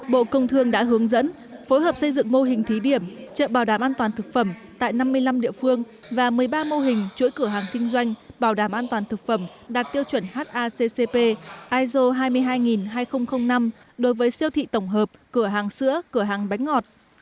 bộ công thương đã hướng dẫn phối hợp xây dựng mô hình thí điểm chợ bảo đảm an toàn thực phẩm tại năm mươi năm địa phương và một mươi ba mô hình chuỗi cửa hàng kinh doanh bảo đảm an toàn thực phẩm đạt tiêu chuẩn haccp iso hai mươi hai hai nghìn năm đối với siêu thị tổng hợp cửa hàng sữa cửa hàng bánh ngọt